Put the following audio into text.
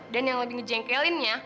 dan yang lebih ngejengkelinnya